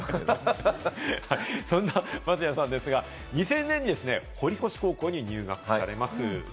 そんな松也さんですが、２０００年に堀越高校に入学されます。